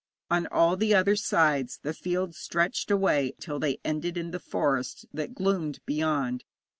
On all the other sides the fields stretched away till they ended in the forest that gloomed beyond.